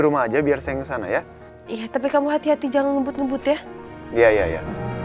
rumah aja biar saya kesana ya iya tapi kamu hati hati jangan lembut lembut ya iya ya